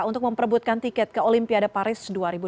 untuk memperebutkan tiket ke olimpiade paris dua ribu dua puluh